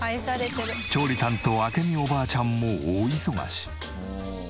調理担当明美おばあちゃんも大忙し！